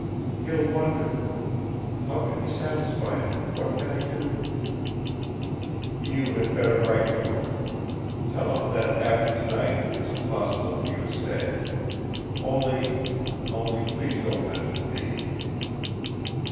"He'll wonder. How can we satisfy him? What can I do?" "You had better write to him. Tell him that after to night it's impossible for you to stay. Only ... only please don't mention me."